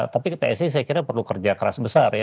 tapi psi saya kira perlu kerja keras besar ya